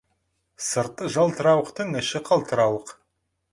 Сырты жалтырауықтың іші қалтырауық.